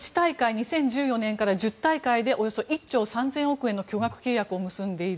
２０１４年から１０大会でおよそ１兆３０００億円の巨額契約を結んでいる。